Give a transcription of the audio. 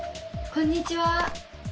こんにちは。